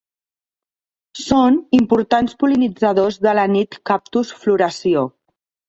Són importants pol·linitzadors de la nit-cactus floració.